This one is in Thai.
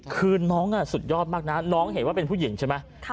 คือน้องสุดยอดมากนะน้องเห็นว่าเป็นผู้หญิงใช่ไหม